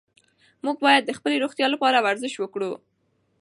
موږ باید د خپلې روغتیا لپاره ورزش وکړو.